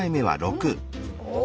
お！